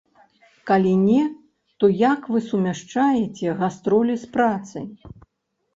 Калі не, то як вы сумяшчаеце гастролі з працай?